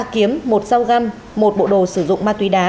ba kiếm một sao găm một bộ đồ sử dụng ma túy đá